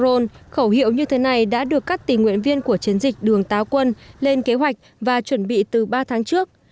rone khẩu hiệu như thế này đã được các tình nguyện viên của chiến dịch đường táo quân lên kế hoạch và chuẩn bị từ ba tháng trước